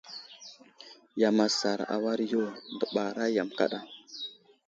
Yam asar a war yo, dəɓara yam kaɗa.